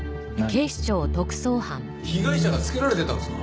被害者がつけられてたんですか？